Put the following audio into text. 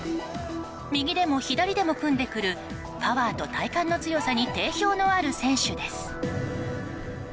右でも左でも組んでくるパワーと体幹の強さに定評のある選手です。